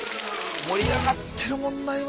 盛り上がってるもんな今。